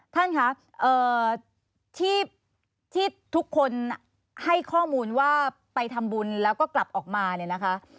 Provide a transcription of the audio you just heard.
ท่านคะที่ทุกคนให้ข้อมูลว่าไปทำบุญแล้วก็กลับออกมาเนี่ยนะคะ